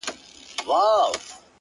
• لېوه ږغ کړه فیله ولي په ځغستا یې,